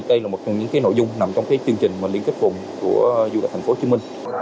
đây là một trong những nội dung nằm trong chương trình liên kết vùng của du lịch tp hcm